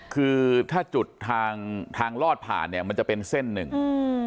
คือถ้าจุดทางทางลอดผ่านเนี้ยมันจะเป็นเส้นหนึ่งอืม